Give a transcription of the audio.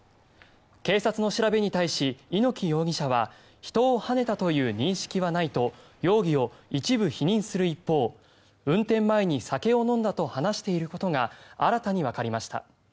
警察の調べに対し猪木容疑者は人をはねたという認識はないと容疑を一部否認する一方運転前に酒を飲んだと話していることが新たにわかりました。